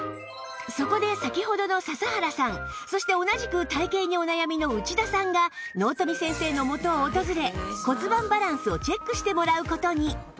そこで先ほどの笹原さんそして同じく体形にお悩みの内田さんが納富先生の元を訪れ骨盤バランスをチェックしてもらう事に